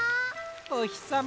おひさま